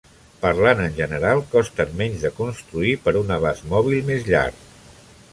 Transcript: Parlant en general costen menys de construir per un abast mòbil més llarg.